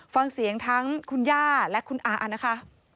ฟังเสียงทั้งคุณย่าและคุณอานะคะ